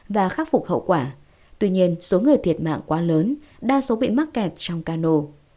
và khắc phục hậu quả tuy nhiên số người thiệt mạng quá lớn đa số bị mắc kẹt trong cano